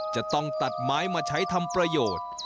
จะต้องตัดไม้มาใช้ทำประโยชน์